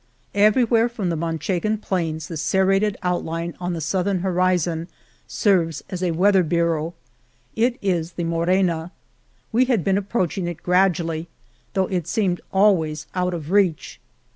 Everywhere from the Manchegan plains the serrated outline on the southern horizon serves as a weather bureau. It is the Mo rena. We had been approaching it gradually, though it seemed always out of reach.